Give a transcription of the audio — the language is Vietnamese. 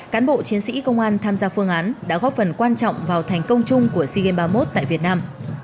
cán bộ chiến sĩ công an tham gia phương án đã góp phần quan trọng vào thành công chung của sea games ba mươi một tại việt nam